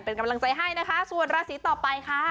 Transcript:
เป็นกำลังใจให้นะคะส่วนราศีต่อไปค่ะ